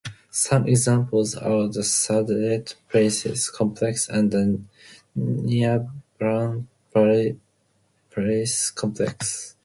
Some examples are the Sa'dabad Palace Complex and the Niavaran Palace Complex.